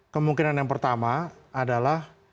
kemungkinan yang pertama adalah